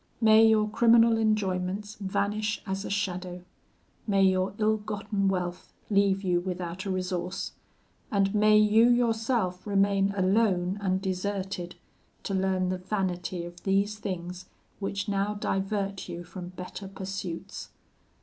May your criminal enjoyments vanish as a shadow! may your ill gotten wealth leave you without a resource; and may you yourself remain alone and deserted, to learn the vanity of these things, which now divert you from better pursuits!